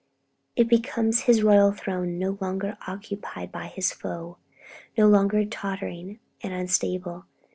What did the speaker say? It becomes His royal throne, no longer occupied by His foe, no longer tottering and unstable.